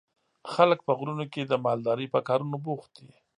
خلک په غرونو کې د مالدارۍ په کارونو بوخت دي.